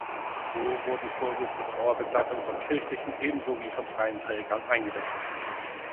So wurden Kurse zur Trauerbegleitung von kirchlichen ebenso wie von freien Trägern eingerichtet.